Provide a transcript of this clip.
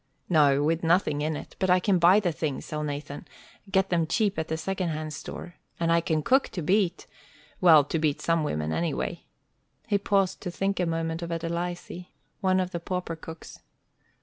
"No, with nothing in it. But I can buy the things, Elnathan, get them cheap at the second hand store. And I can cook to beat well to beat some women anyway " He paused to think a moment of Adelizy, one of the pauper cooks.